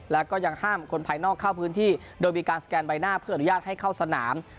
แล้วก็ยังห้ามคนภายนอกเข้าพื้นที่โดยมีการสแกนใบหน้าเพื่ออนุญาตให้เข้าสนาม